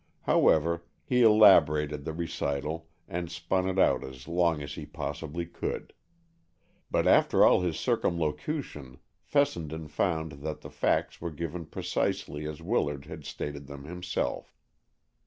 However, he elaborated the recital and spun it out as long as he possibly could. But after all his circumlocution, Fessenden found that the facts were given precisely as Willard had stated them himself.